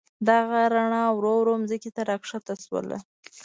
دغه رڼا ورو ورو مځکې ته راکښته شول.